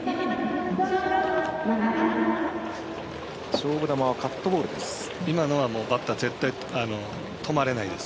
勝負球はカットボールです。